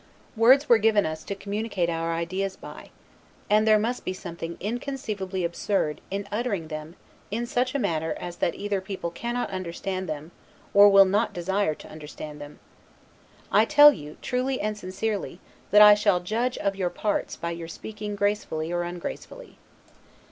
Words were given us to communicate our ideas by: and there must be something inconceivably absurd in uttering them in such a manner as that either people cannot understand them, or will not desire to understand them. I tell you, truly and sincerely, that I shall judge of your parts by your speaking gracefully or ungracefully.